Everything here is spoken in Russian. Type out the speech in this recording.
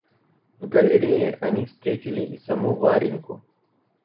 В галлерее они встретили и самую Вареньку.